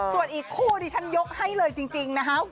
ส่วนอีกคู่ที่ฉันยกให้เลยจริงนะคะ